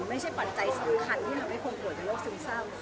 ไม่ใช่ปัญญาสินคันที่ทำให้คนป่วยเป็นโรคซึมเศร้า